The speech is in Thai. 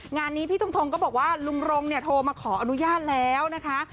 งานนี้พี่ทงทงก็บอกว่าลุงรงเนี่ยโทรมาขออนุญาตแล้วนะคะ